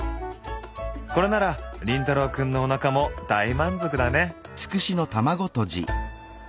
これなら凛太郎くんのおなかも大満足だね。